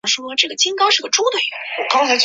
马哈茂德二世有效地整顿军事采邑。